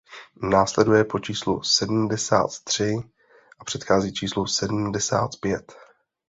Následuje po číslu sedmdesát tři a předchází číslu sedmdesát pět.